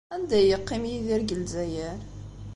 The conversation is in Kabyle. Anda ay yeqqim Yidir deg Lezzayer?